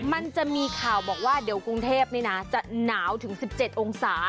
มันจะมีข่าวบอกว่าเดี๋ยวกรุงเทพนี่นะจะหนาวถึง๑๗องศา